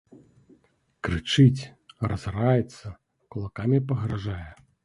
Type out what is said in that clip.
Крычыць, разараецца, кулакамі пагражае.